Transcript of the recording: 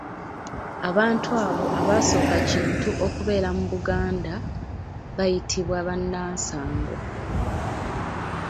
Abantu abo abaasooka Kintu okubeera mu Buganda, bayitibwa bannansangwa.